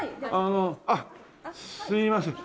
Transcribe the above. あっすいません。